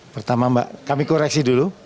pertama mbak kami koreksi dulu